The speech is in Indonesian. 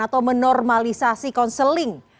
atau menormalisasi konseling